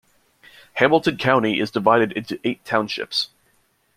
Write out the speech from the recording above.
Hamilton County is divided into eight townships.